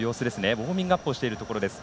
ウォーミングアップをしているところです。